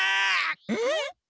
えっ！？